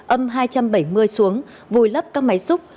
âm hai trăm bảy mươi xuống vùi lấp các máy xúc